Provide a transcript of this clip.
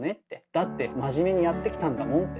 だって真面目にやって来たんだもんって。